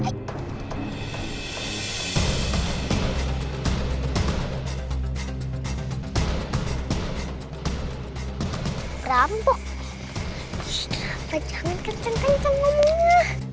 hai rambok istirahat jangan kenceng kenceng ngomongnya